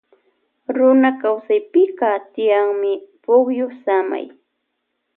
Runa kawsaypika tiyanmi pukyu samay.